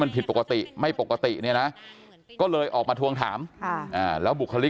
มันผิดปกติไม่ปกติเนี่ยนะก็เลยออกมาทวงถามแล้วบุคลิก